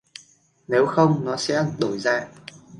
Nếu không nó sẽ đổi dạ